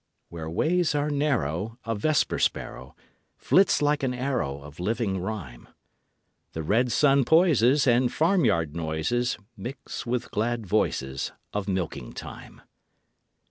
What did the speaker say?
Where ways are narrow, A vesper sparrow Flits like an arrow Of living rhyme; The red sun poises, And farmyard noises Mix with glad voices Of milking time.